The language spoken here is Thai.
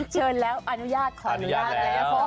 เชิญแล้วอนุญาตขออนุญาตแล้ว